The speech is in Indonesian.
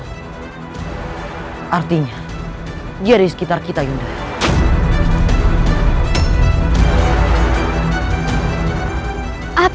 kau manusia biadab